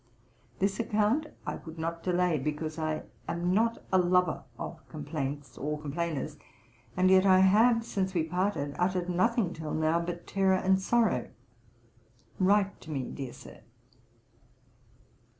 This account I would not delay, because I am not a lover of complaints, or complainers, and yet I have since we parted uttered nothing till now but terrour and sorrow. Write to me, dear Sir.'